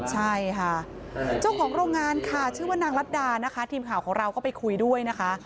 ใช่ค่ะเจ้าของโรงงานค่ะชื่อว่านางรัฐดานะคะทีมข่าวของเราก็ไปคุยด้วยนะคะ